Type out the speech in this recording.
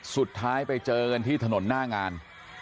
สุดท้ายไปเจอกันที่ถนนหน้างาน